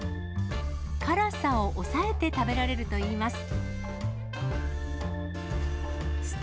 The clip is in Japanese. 辛さを抑えて食べられるといいます。